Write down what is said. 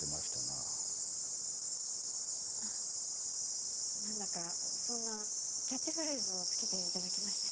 あっ何だかそんなキャッチフレーズを付けていただきまして。